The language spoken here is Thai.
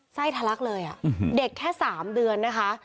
ทะลักเลยเด็กแค่๓เดือนนะคะ